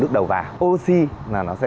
nước đầu vàng oxy là nó sẽ